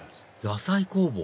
野菜工房？